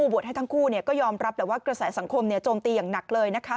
บวชให้ทั้งคู่ก็ยอมรับแหละว่ากระแสสังคมโจมตีอย่างหนักเลยนะคะ